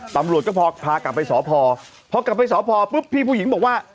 ตำรวจก็พอพากลับไปสพพอกลับไปสพปุ๊บพี่ผู้หญิงบอกว่า